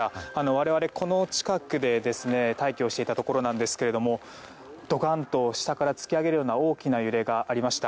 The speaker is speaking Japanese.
我々、この近くで待機をしていたところなんですがドカンと下から突き上げるような大きな揺れがありました。